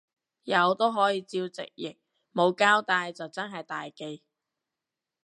有都可以照直講，冇交帶就真係大忌